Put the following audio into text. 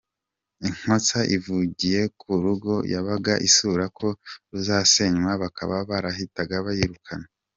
Inkotsa ivugiye ku rugo yabaga isura ko ruzasenywa bakaba barahitaga bayirukana.